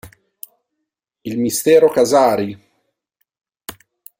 Il mistero Casari!!!